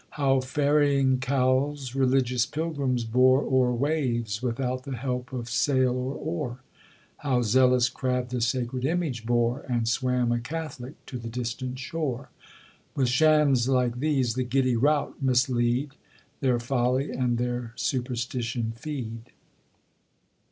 How ferrying cowls religious pilgrims bore O'er waves, without the help of sail or oar; How zealous crab the sacred image bore, And swam a catholic to the distant shore. With shams like these the giddy rout mislead, Their folly and their superstition feed.